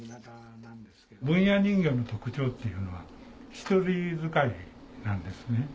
文弥人形の特徴っていうのは一人遣いなんですね。